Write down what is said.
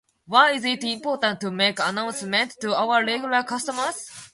Why is it important to make announcements to our regular customers?